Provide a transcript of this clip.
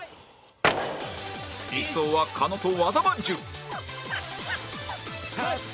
１走は狩野と和田まんじゅう